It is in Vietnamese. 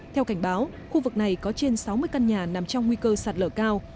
theo cảnh báo khu vực này có trên sáu mươi căn nhà nằm trong nguy cơ sạt lở cao